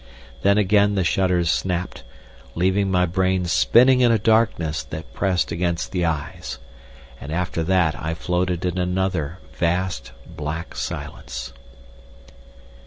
Then again the shutters snapped, leaving my brain spinning in a darkness that pressed against the eyes. And after that I floated in another vast, black silence.